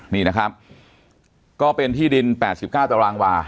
นี่นะครับก็เป็นที่ดิน๘๙ตารางวา